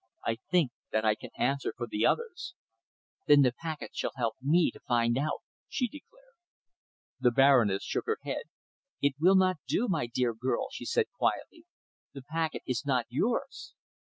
I think that I can answer for the others." "Then the packet shall help me to find out," she declared. The Baroness shook her head. "It will not do, my dear girl," she said quietly. "The packet is not yours."